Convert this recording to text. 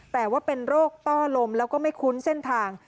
แต่ว่าเป็นโรคต้อลมแล้วก็ไม่คุ้นเส้นทาง